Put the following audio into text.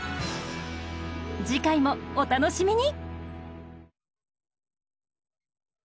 次回もお楽しみに！